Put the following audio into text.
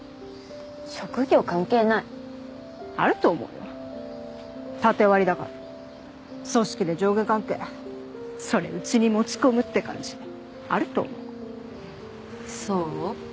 職業関係ないあると思うよ縦割組織で上下関係それうちに持ち込むって感じあると思そう？